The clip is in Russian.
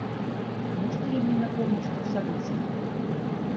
Можно ли мне напомнить ход событий?